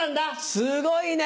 すごいね。